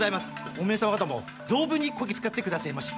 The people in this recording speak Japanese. おめえ様方も存分にこき使ってくだせぇまし！